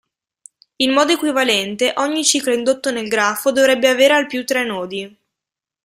In modo equivalente, ogni ciclo indotto nel grafo dovrebbe avere al più tre nodi.